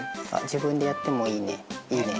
自分でやってもいいね。